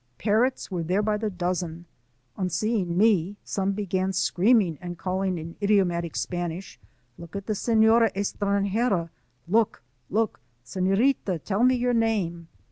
Parrots were there by the dozen. On seeing me, som^ began screaming and calling in idiomatic Spanish: "Look at the seHora cstrangera! look! look! Seflorita, tell me your name!"